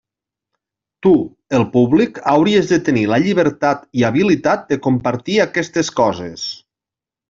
Tu, el públic, hauries de tenir la llibertat i habilitat de compartir aquestes coses.